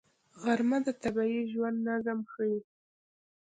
غرمه د طبیعي ژوند نظم ښيي